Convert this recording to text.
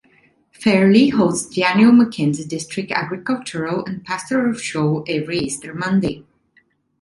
Fairlie hosts the annual Mackenzie District Agricultural and Pastoral show every Easter Monday.